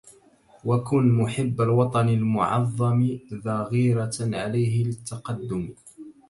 وكن محب الوطن المُعَظَّمِ ذا غيرة عليه للتقدمِ